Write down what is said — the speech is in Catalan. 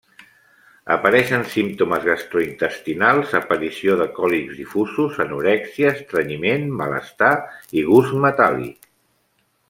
Apareixen símptomes gastrointestinals, aparició de còlics difusos, anorèxia, estrenyiment, malestar i gust metàl·lic.